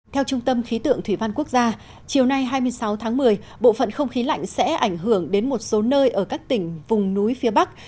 theo trung tâm khí tượng thủy văn quốc gia chiều nay hai mươi sáu tháng một mươi bộ phận không khí lạnh sẽ ảnh hưởng đến một số nơi ở các tỉnh vùng núi phía bắc